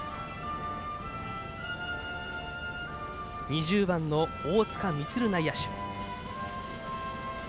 ２０番の大塚光竜選手。